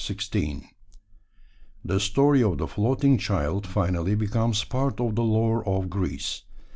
The story of the floating child, finally, becomes part of the lore of Greece.